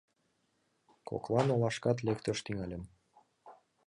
Коклан олашкат лекташ тӱҥальым.